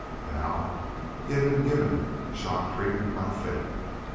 Now he had been given shock treatment by fate.